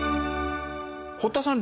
堀田さん